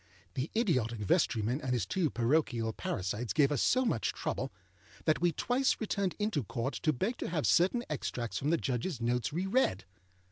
The idiotic vestryman and his two parochial parasites gave us so much trouble that we twice returned into Court to beg to have certain extracts from the Judgeâs notes re read.